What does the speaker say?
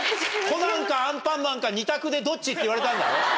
『コナン』か『アンパンマン』か２択でどっち？って言われたんだろ？